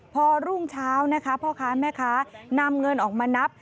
พอรุ่งเช้านะคะพ่อค้าแม่ค้านำเงินออกมานับ